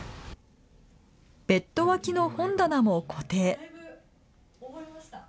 ベッド脇の本棚も固定。